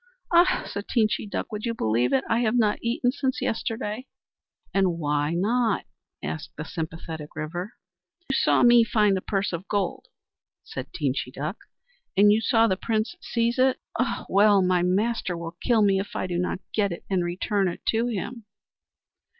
"Ah!" said Teenchy Duck, "would you believe it? I have not eaten since yesterday." "And why not?" asked the sympathetic River. "You saw me find the purse of gold," said Teenchy Duck, "and you saw the Prince seize it. Ah, well! my master will kill me if I do not get it and return it to him."